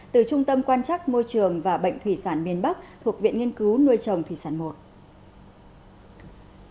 từ trung tâm quan chắc môi trường và bệnh thủy sản miền bắc thuộc viện nghiên cứu nuôi trồng thủy sản i